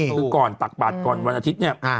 คือก่อนตักบาทก่อนวันอาทิตย์เนี่ย